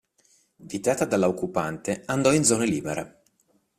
Vietata dalla occupante, andò in zone libere.